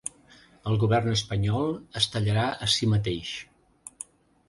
El govern espanyol es tallarà a si mateix